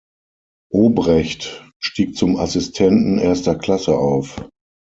Obrecht stieg zum Assistenten erster Klasse auf.